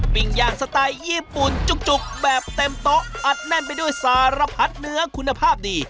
ปิ้งย่างสไตล์ญี่ปุ่นจุกแบบเต็มโต๊ะอัดแน่นไปด้วยสารพัดเนื้อคุณภาพดี